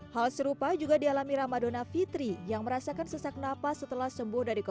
hal serupa juga dialami ramadona fitri yang merasakan sesak nafas setelah sembuh dari